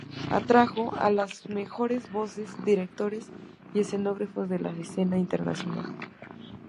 Atrajo las mejores voces, directores y escenógrafos de la escena internacional.